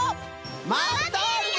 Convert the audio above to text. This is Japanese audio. まっとるよ！